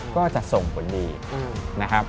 ก็จะส่งผลดีนะครับ